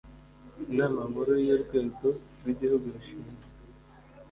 Inama Nkuru y ,Urwego rw ‘Igihugu rushinzwe